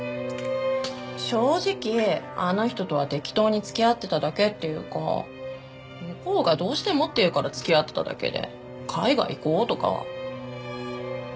正直あの人とは適当に付き合ってただけっていうか向こうがどうしてもっていうから付き合ってただけで海外行こうとかは。